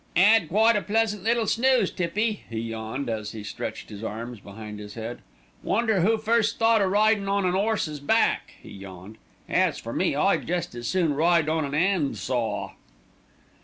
"'Ad quite a pleasant little snooze, Tippy," he yawned, as he stretched his arms behind his head. "Wonder who first thought o' ridin' on an 'orse's back," he yawned. "As for me, I'd jest as soon ride on an 'and saw."